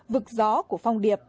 vực gió của phong điệp